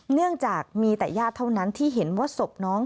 เนื่องจากมีแต่ญาติเท่านั้นที่เห็นว่าศพน้อง